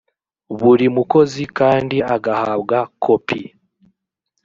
buri mukozi kandi agahabwa kopi